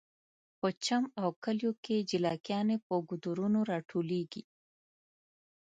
په چم او کلیو کې جلکیانې په ګودرونو راټولیږي